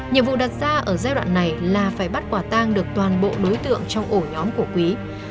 nhiệm vụ đặt ra ở giai đoạn này là phải bắt quả tang được toàn bộ đối tượng trong ổ nhóm của quý